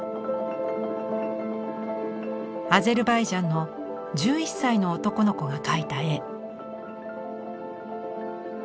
アゼルバイジャンの１１歳の男の子が描いた絵。